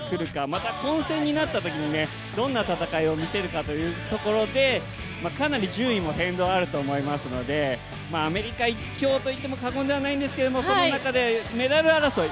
また混戦になったときにどんな戦いを見せるかというところで、かなり順位も変動あると思いますのでアメリカ１強といっても過言ではないんですけどその中でメダル争い